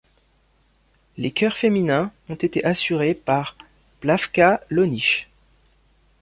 Les chœeurs féminins ont été assurés par Plavka Lonich.